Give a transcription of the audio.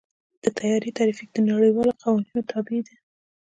د طیارې ټرافیک د نړیوالو قوانینو تابع دی.